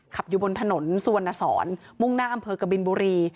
ขับอยู่บนถนนสวนสอนมุ่งหน้าอกบินบุรี